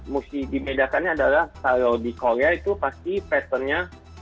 mesti dibedakannya adalah kalau di korea itu pasti patternnya